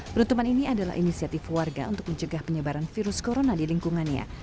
penutupan ini adalah inisiatif warga untuk mencegah penyebaran virus corona di lingkungannya